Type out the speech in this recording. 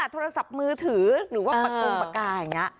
โทรศัพท์มือถือหรือว่าประกงปากกาอย่างนี้